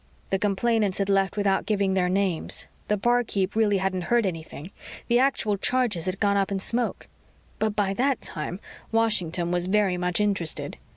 The complainants had left without giving their names. The barkeep really hadn't heard anything. The actual charges had gone up in smoke. But by that time, Washington was very much interested.